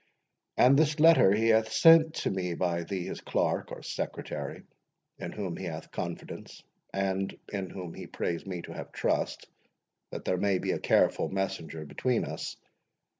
—And this letter he hath sent to me by thee, his clerk, or secretary, in whom he hath confidence, and in whom he prays me to have trust, that there may be a careful messenger between us.